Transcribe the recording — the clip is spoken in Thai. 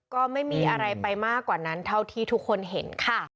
ก็ไม่มีอะไรไปมากกว่านั้นเท่าที่ทุกคนเห็นค่ะ